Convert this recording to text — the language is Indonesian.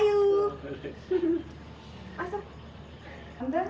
oh lu smart